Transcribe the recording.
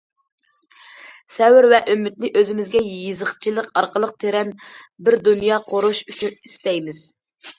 سەۋر ۋە ئۈمىدنى ئۆزىمىزگە يېزىقچىلىق ئارقىلىق تىرەن بىر دۇنيا قۇرۇش ئۈچۈن ئىستەيمىز.